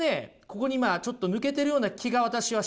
ここにちょっと抜けてるような気が私はします。